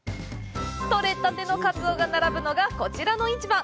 取れたてのカツオが並ぶのがこちらの市場。